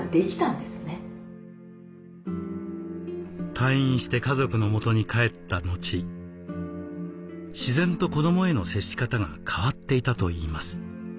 退院して家族のもとに帰った後自然と子どもへの接し方が変わっていたといいます。